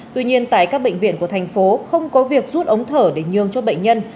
tuy nhiên tại các bệnh viện của thành phố không có việc rút ống thở để nhường cho bệnh nhân